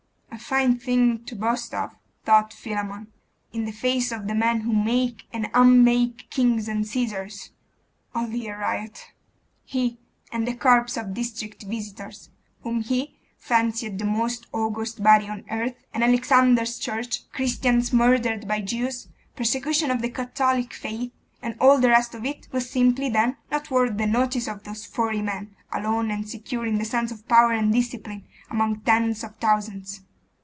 'A fine thing to boast of,' thought Philammon, 'in the face of the men who make and unmake kings and Caesars!' 'Only a riot!' He, and the corps of district visitors whom he fancied the most august body on earth and Alexander's church, Christians murdered by Jews, persecution of the Catholic faith, and all the rest of it, was simply, then, not worth the notice of those forty men, alone and secure in the sense of power and discipline, among tens of thousands